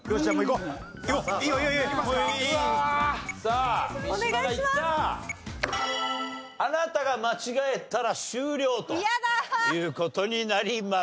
あなたが間違えたら終了という事になります。